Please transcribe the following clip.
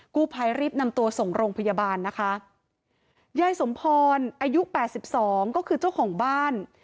กู้ภัยรีบนำตัวส่งโรงพยาบาลนะคะยายสมพรอายุแปดสิบสองก็คือเจ้าของบ้าน